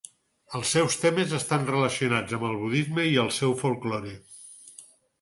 Els seus temes estan relacionats amb el budisme i el seu folklore.